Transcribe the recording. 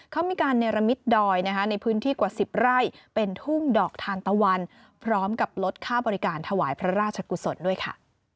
เขามีการเนรมิตดอยในพื้นที่กว่า๑๐ไร่เป็นทุ่งดอกทานตะวันพร้อมกับลดค่าบริการถวายพระราชกุศลด้วยค่ะ